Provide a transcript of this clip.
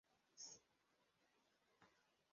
niba Adamu na Eva badasobanukiwe ikibi cyangwa urupfu